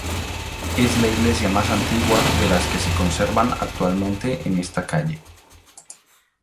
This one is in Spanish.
Es la iglesia más antigua de las que se conservan actualmente en esta calle.